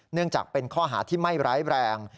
เนื่องจากเป็นข้อหาที่ไม่ร้ายแรง